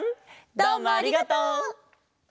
どうもありがとう！